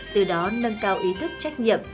từ đó nâng cao ý thức trách nhiệm